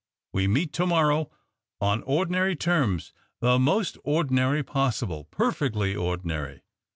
We meet to morrow on ordinary terms — the most ordinary possible — perfectly ordinary.